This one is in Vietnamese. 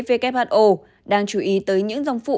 who đang chú ý tới những dòng phụ